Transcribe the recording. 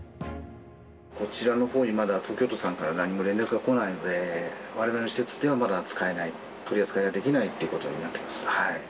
こちらのほうに、まだ東京都さんから何も連絡が来ないので、われわれの施設ではまだ使えない、取り扱いができないっていうことになってます。